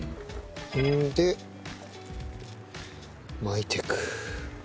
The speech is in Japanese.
で巻いていく。